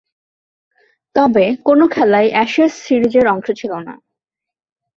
তবে, কোন খেলাই অ্যাশেজ সিরিজের অংশ ছিল না।